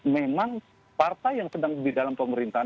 memang partai yang sedang di dalam pemerintahan